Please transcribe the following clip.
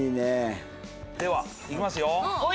ではいきますよ。